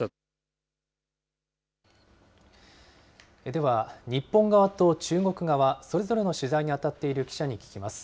では、日本側と中国側、それぞれの取材に当たっている記者に聞きます。